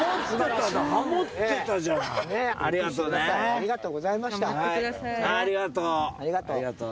ありがとう。